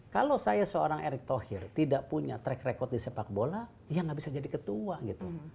kalau saya seorang erick thohir tidak punya track record di sepak bola ya nggak bisa jadi ketua gitu